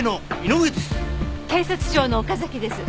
警察庁の岡崎です。